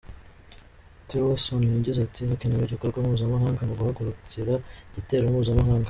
Tillerson yagize ati “Hakenewe igikorwa mpuzamahanga mu guhagarika igitero mpuzamahanga.